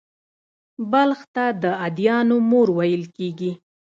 بلخ ته «د ادیانو مور» ویل کېږي